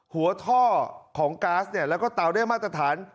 หัวท่อของก๊าซเนี่ยแล้วก็เตาได้มาตรฐาน